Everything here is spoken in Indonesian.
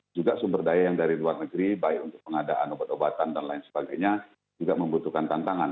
juga sumber daya yang dari luar negeri baik untuk pengadaan obat obatan dan lain sebagainya juga membutuhkan tantangan